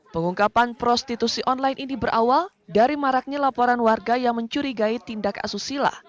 pengungkapan prostitusi online ini berawal dari maraknya laporan warga yang mencurigai tindak asusila